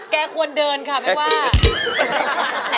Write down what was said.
แกควรเดินค่ะไม่ว่า